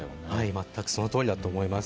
全くその通りだと思います。